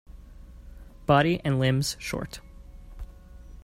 Body and limbs short.